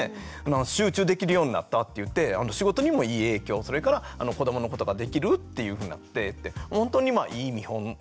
集中できるようになったっていって仕事にもいい影響それから子どものことができるっていうふうになってほんとにいい見本。